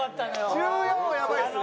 １４はやばいですね。